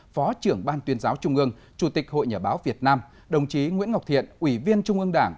phó trưởng ban tuyên giáo trung ương chủ tịch hội nhà báo việt nam đồng chí nguyễn ngọc thiện ủy viên trung ương đảng